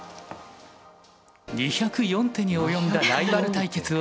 ２０４手に及んだライバル対決を制しました。